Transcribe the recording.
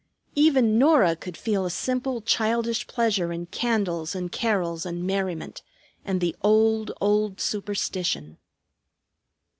Even Norah could feel a simple childish pleasure in candles and carols and merriment, and the old, old superstition.